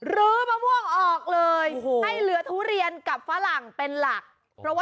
รื้อประมวงออกเลยให้เหลือทุเรียนกับฝรั่งเป็นหลัก